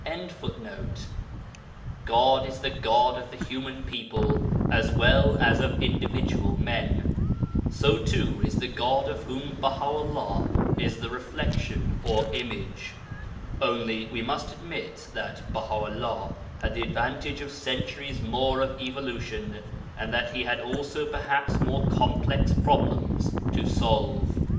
29).] God is the God of the human people as well as of individual men, so too is the God of whom Baha 'ullah is the reflection or image. Only, we must admit that Baha 'ullah had the advantage of centuries more of evolution, and that he had also perhaps more complex problems to solve.